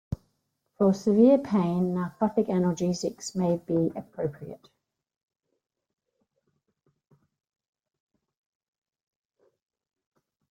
For severe pain, narcotic analgesics may be appropriate.